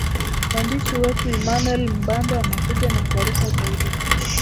mwandishi wetu emanuel mbando anakuja na taarifa zaidi